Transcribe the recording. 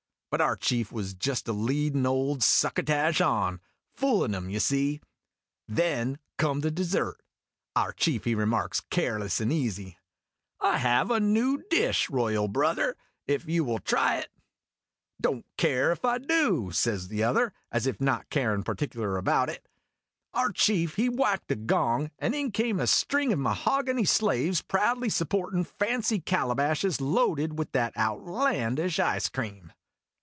But our chief was just a leadin' old Succotash on foolin' him, you see. Then come dessert. Our chief he remarks careless and easy :" I have a new dish, royal brother, if you will try it? "" Don't care if I do," says the other, as if not carin' particular about it. Our chief he whacked a gong, and in came a string of mahog any slaves proudly supportin' fancy calabashes loaded with that outlandish ice cream.